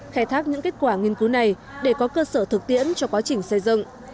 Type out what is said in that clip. khai thác những kết quả nghiên cứu này để có cơ sở thực tiễn cho quá trình xây dựng